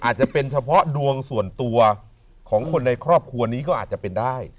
อาจจะเป็นเฉพาะดวงส่วนตัวของคนในครอบครัวนี้ก็อาจจะเป็นได้